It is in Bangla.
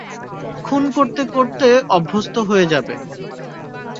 খুন করতে করতে অভ্যস্ত হয়ে যাবে।